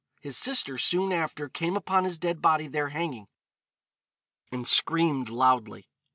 His sister soon after came upon his dead body there hanging, and screamed loudly.